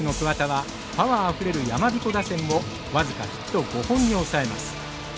１年生投手の桑田はパワーあふれるやまびこ打線を僅かヒット５本に抑えます。